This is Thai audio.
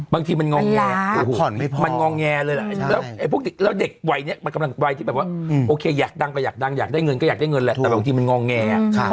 บางทีมันงอแงมันงอแงเลยแหละแล้วไอ้พวกนี้แล้วเด็กวัยนี้มันกำลังวัยที่แบบว่าโอเคอยากดังก็อยากดังอยากได้เงินก็อยากได้เงินแหละแต่บางทีมันงอแง